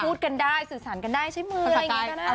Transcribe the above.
พูดกันได้สื่อสารกันได้ใช้มืออะไรอย่างนี้ก็ได้